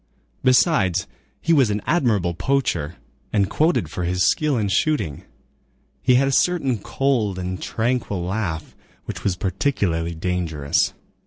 Besides, he was an admirable poacher, and quoted for his skill in shooting. He had a certain cold and tranquil laugh, which was particularly dangerous.